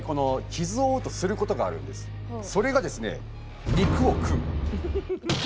それがですね